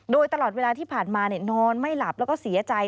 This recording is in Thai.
โดยตลอดเวลาที่ผ่านมานอนไม่หลับแล้วก็เสียใจ